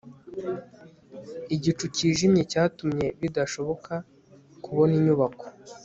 igicu cyijimye cyatumye bidashoboka kubona inyubako